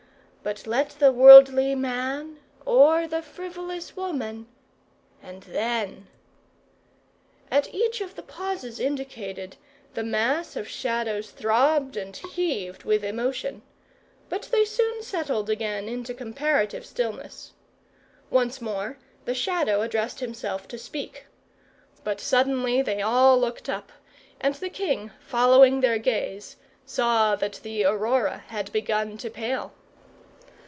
But let the worldly man or the frivolous woman and then " At each of the pauses indicated, the mass of Shadows throbbed and heaved with emotion; but they soon settled again into comparative stillness. Once more the Shadow addressed himself to speak. But suddenly they all looked up, and the king, following their gaze, saw that the aurora had begun to pale.